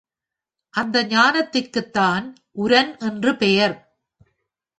அந்த ஞானத்திற்குத்தான் உரன் என்று பெயர்.